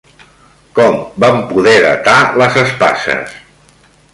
Com van poder datar les espases?